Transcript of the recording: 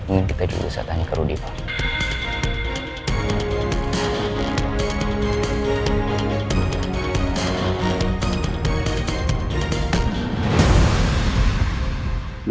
mungkin kita juga bisa tanya ke rudy pak